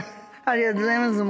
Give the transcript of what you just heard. ありがとうございます。